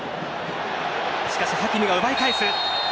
しかしハキミが奪い返す。